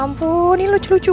ya ampun ini lucu banget pak